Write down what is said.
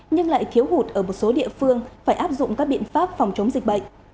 nhưng lại thiếu hụt ở một số địa phương phải áp dụng các biện pháp phòng chống dịch bệnh